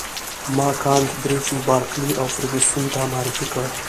ما کانت ګریفي بارکلي او فرګوسن ته معرفي کړ.